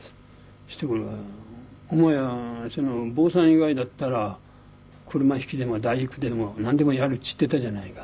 そしたらこれが「お前は坊さん以外だったら車引きでも大工でもなんでもやるって言ってたじゃないか」